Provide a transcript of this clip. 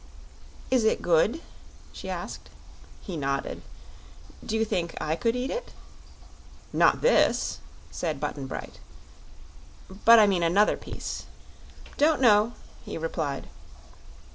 "Is it good?" she asked. He nodded. "Do you think I could eat it?" "Not this," said Button Bright. "But I mean another piece?" "Don't know," he replied.